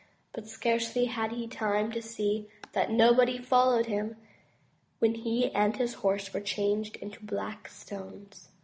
But scarcely had he time to see that nobody followed MY BOOK HOUSE him when he and his horse were changed into black stones.